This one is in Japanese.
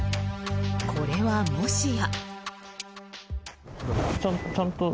これは、もしや。